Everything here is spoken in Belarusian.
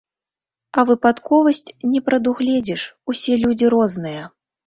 А выпадковасць не прадугледзіш, усе людзі розныя.